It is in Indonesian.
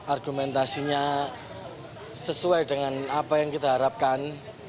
argumentasinya sesuai dengan apa yang kita harapkan